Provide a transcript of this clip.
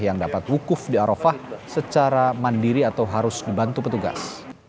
yang dapat wukuf di arafah secara mandiri atau harus dibantu petugas